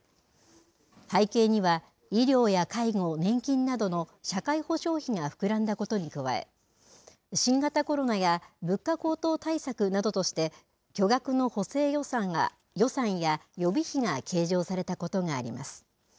背景には、医療や介護、年金などの社会保障費が膨らんだことに加え、新型コロナや物価高騰対策などとして、巨額の補正予算や予備費が計上されたことがあります。